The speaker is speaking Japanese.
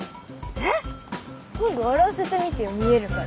えっ？今度笑わせてみてよ見えるから。